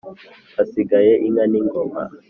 hasigaye inka n' ingoma.